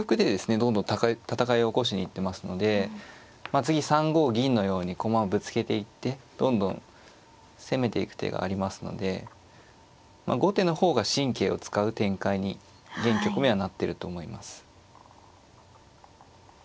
どんどん戦いを起こしに行ってますので次３五銀のように駒をぶつけていってどんどん攻めていく手がありますので後手の方が神経を使う展開に現局面はなってると思います。